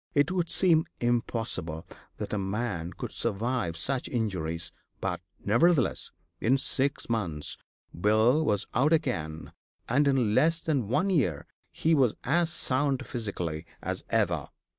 It would seem impossible that a man could survive such injuries, but, nevertheless, in six months Bill was out again, and in less than one year he was as sound physically as ever.